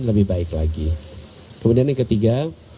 lebih baik lagi kemudian yang ketiga